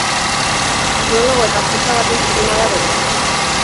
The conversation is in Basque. Etnologo eta artista baten zinema da berea.